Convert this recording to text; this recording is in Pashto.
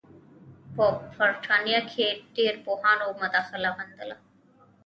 په برټانیه کې ډېرو پوهانو مداخله غندله.